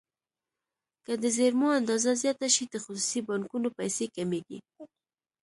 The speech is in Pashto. که د زېرمو اندازه زیاته شي د خصوصي بانکونو پیسې کمیږي.